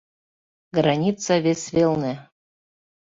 ГРАНИЦА ВЕС ВЕЛНЕ